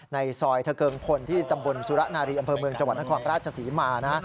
ในซอยทะเกิงพลที่ตำบลสุรนารีอำเภอเมืองจังหวัดนครราชศรีมานะ